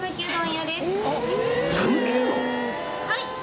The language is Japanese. はい。